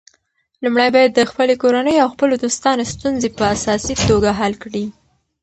لومړی باید د خپلې کورنۍ او خپلو دوستانو ستونزې په اساسي توګه حل کړې.